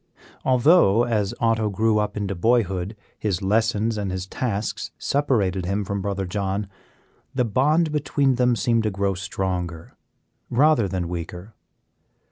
Although, as Otto grew up into boyhood, his lessons and his tasks separated him from Brother John, the bond between them seemed to grow stronger rather than weaker.